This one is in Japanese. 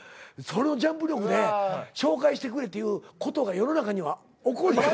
そのジャンプ力で紹介してくれってことが世の中には起こり得る。